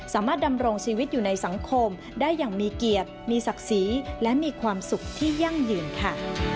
สามารถดำรงชีวิตอยู่ในสังคมได้อย่างมีเกียรติมีศักดิ์ศรีและมีความสุขที่ยั่งยืนค่ะ